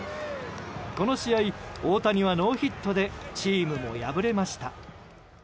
この試合、大谷はノーヒットでチームも敗れました。